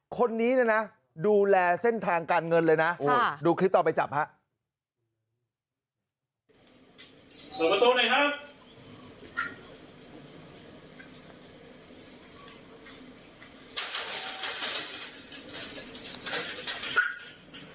คนนี้เนี่ยนะดูแลเส้นทางการเงินเลยนะดูคลิปตอนไปจับครับ